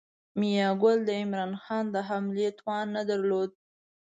میاګل د عمرا خان د حملې توان نه درلود.